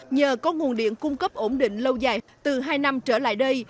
nhờ có nguồn điện cung cấp ổn định lâu dài từ hai năm trở lại đây